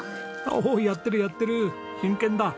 おおやってるやってる真剣だ。